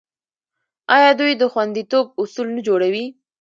آیا دوی د خوندیتوب اصول نه جوړوي؟